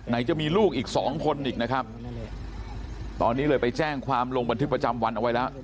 จะมีลูกอีกสองคนอีกนะครับตอนนี้เลยไปแจ้งความลงบันทึกประจำวันเอาไว้แล้ว